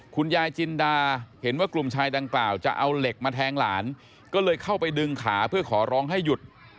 คุณยายจินดาเห็นว่ากลุ่มชายดังกล่าวจะเอาเหล็กมาแทงหลานก็เลยเข้าไปดึงขาเพื่อขอร้องให้หยุด